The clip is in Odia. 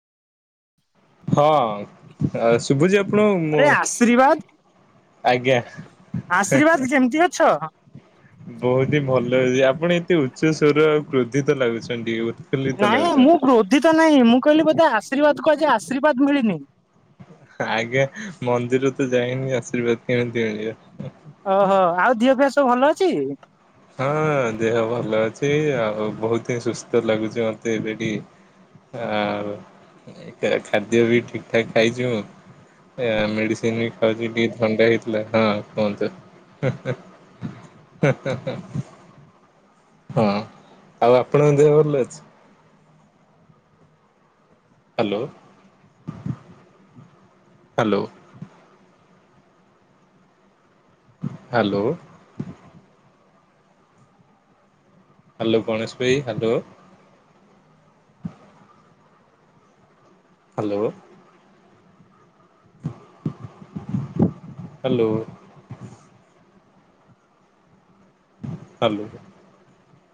ହଁ ଶୁଭୁଚି ଅ ଆପଣ ମୋ ଆରେ ଆଶୀର୍ବାଦ ଆଜ୍ଞା ହେ ହେ। ଆଶୀର୍ବାଦ କେମିତି ଅଛ? ବହୁତ୍ ହିଁ ଭଲ ଅଛି ଆପଣ ଏତେ ଉଚ୍ଚ ସ୍ୱର ଆଉ କ୍ରୋଧିତ ଲାଗୁଛନ୍ତି ଟିକେ ବୋଧେ। ନାଇଁ ମୁଁ କ୍ରୋଧୀତ ନାହିଁ ମୁଁ କହିଲି ବୋଧେ ଆଶୀର୍ବାଦକୁ ଆଜି ଆଶୀର୍ବାଦ ମିଳିନି। ଆଜ୍ଞା ମନ୍ଦିର ତ ଯାଇନି ଆଶୀର୍ବାଦ କେମିତି ମିଳିବ। ଓହୋ ଆଉ ଦିଅ ଫିଅ ସବୁ ଭଲ ଅଛି? ହଁ ଦେହ ଭଲ ଅଛି ଆଉ ବହୁତ୍ ସୁସ୍ଥ ଲାଗୁଚି ମତେ ଏବେ ଟିକେ। ଆଉ ଏଖାଦ୍ୟ ବି ଠିକ୍ ଠାକ ଖାଇଚୁ? ଏ ମେଡ଼ିସିନ୍ ଖାଉଚି ଟିକେ ଥଣ୍ଡା ହେଇଥିଲା ହଁ କୁହନ୍ତୁ। [unintelligible] ହଁ ଆଉ ଆପଣଙ୍କ ଦେହ ଭଲ ଅଛି? Hello hello. Hello. Hello Ganesh ଭାଇ ହାଲୋ। ହାଲୋ। ହାଲୋ। ହାଲୋ।